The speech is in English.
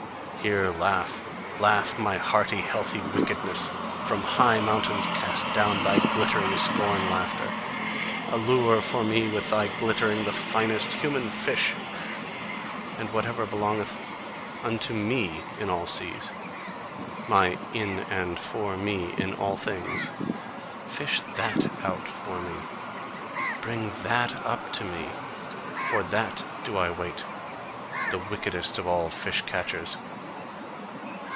Here laugh, laugh, my hearty, healthy wickedness! From high mountains cast down thy glittering scorn laughter! Allure for me with thy glittering the finest human fish! And whatever belongeth unto ME in all seas, my in and for me in all things fish THAT out for me, bring THAT up to me: for that do I wait, the wickedest of all fish catchers.